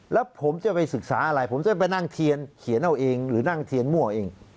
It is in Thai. แล้วผมจะไปศึกษาอะไรผมจะไปนั่งเทียนเขียนเอาเองหรือนั่งเทียนมั่วเอง